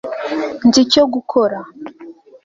nzi icyo gukora